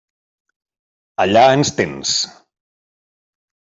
Allà ens tens.